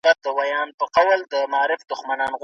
د نجونو زده کړه د عامه همکارۍ بنسټ غښتلی کوي.